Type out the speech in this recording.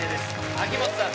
秋元さん